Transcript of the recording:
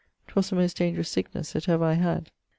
'Twas the most dangerous sicknesse that ever I had.